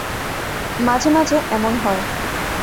মাঝে মাঝে এমন হয়।